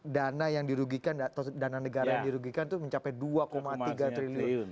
dana yang dirugikan atau dana negara yang dirugikan itu mencapai dua tiga triliun